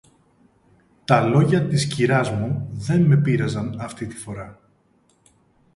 Τα λόγια της κυράς μου δε με πείραζαν αυτή τη φορά